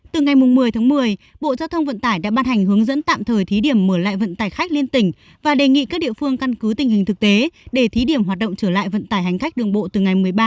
từ ngày một mươi tháng một mươi bộ giao thông vận tải đã ban hành hướng dẫn tạm thời thí điểm mở lại vận tải khách liên tỉnh và đề nghị các địa phương căn cứ tình hình thực tế để thí điểm hoạt động trở lại vận tải hành khách đường bộ từ ngày một mươi ba tháng